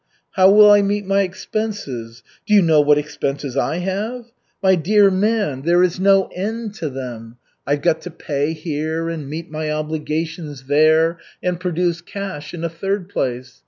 How will I meet my expenses? Do you know what expenses I have? My dear man, there is no end to them. I've got to pay here, and meet my obligations there, and produce cash in a third place.